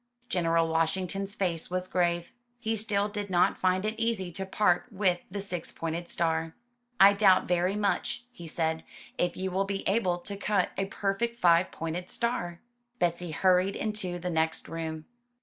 '' General Washington's face was grave. He still did not find it easy to part with the six pointed star. *1 doubt very much," he said, '*if you will be able to cut a perfect five pointed star." Betsy hurried into the next room.